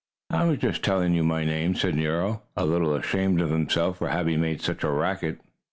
"I was just telling you my name," said Nero, a little ashamed of himself for having made such a racket.